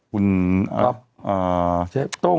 คุณต้ง